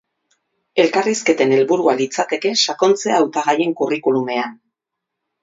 Elkarrizketen helburua litzateke sakontzea hautagaien curriculumean.